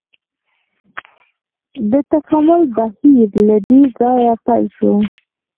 د تکامل بهیر له دې ځایه پیل شو.